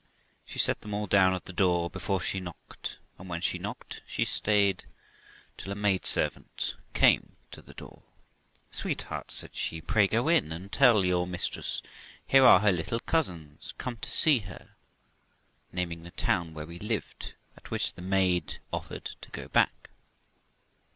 She set them all down at the door before she knocked, and when she knocked she stayed till a maid servant came to the door; 'Sweetheart', said she, 'pray go in and tell your mistress here are her little cousins come to see her from ', naming the town where we lived, at which the maid offered to go back.